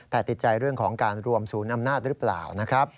แต่ติดใจเรื่องของการรวมศูนย์อำนาจหรือเปล่านะครับ